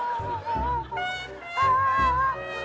ครับ